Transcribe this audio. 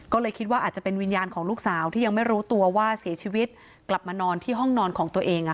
ก็เลยคิดว่าอาจจะเป็นวิญญาณของลูกสาวที่ยังไม่รู้ตัวว่าเสียชีวิตกลับมานอนที่ห้องนอนของตัวเอง